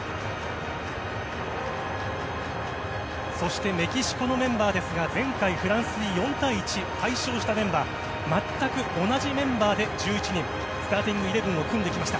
そしてメキシコのメンバーですが前回、フランスに４対１と大勝したメンバーと全く同じメンバーで１１人スターティングイレブンを組んできました。